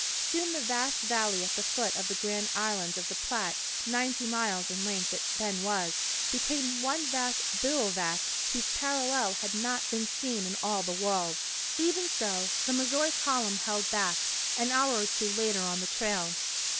Soon the vast valley at the foot of the Grand Island of the Platte ninety miles in length it then was became one vast bivouac whose parallel had not been seen in all the world. Even so, the Missouri column held back, an hour or two later on the trail.